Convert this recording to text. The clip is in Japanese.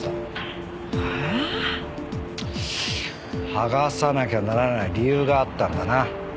剥がさなきゃならない理由があったんだな。